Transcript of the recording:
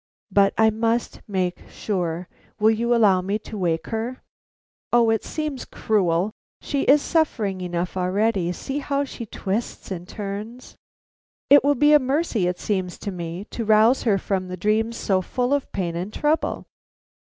But I must make sure. Will you allow me to wake her?" "O it seems cruel! She is suffering enough already. See how she twists and turns!" "It will be a mercy, it seems to me, to rouse her from dreams so full of pain and trouble."